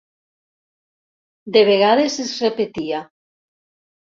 De vegades es repetia.